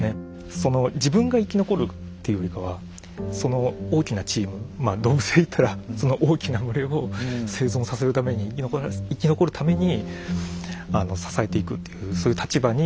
その自分が生き残るっていうよりかはその大きなチームまあ動物で言ったらその大きな群れを生存させるために生き残るために支えていくっていうそういう立場に変わりましたね。